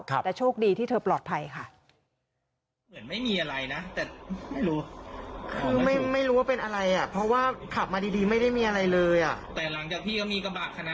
แต่โชคดีที่เธอปลอดภัยค่ะ